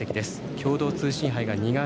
共同通信杯が２月。